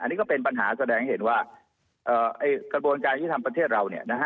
อันนี้ก็เป็นปัญหาแสดงเห็นว่าเอ่อเอ่ยกระบวนการอิทธิธรรมประเทศเราเนี่ยนะฮะ